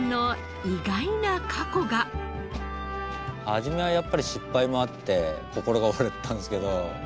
初めはやっぱり失敗もあって心が折れたんですけど。